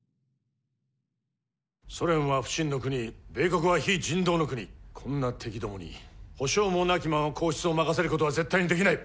ソ連は不信の国米国は非人道の国こんな敵共に保証もなきまま皇室を委せることは絶対に出来ない！